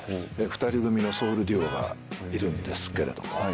２人組のソウルデュオがいるんですけれども。